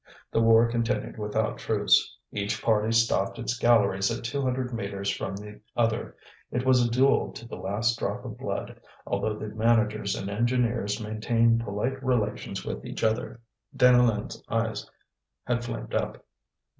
The war continued without truce. Each party stopped its galleries at two hundred metres from the other; it was a duel to the last drop of blood, although the managers and engineers maintained polite relations with each other. Deneulin's eyes had flamed up.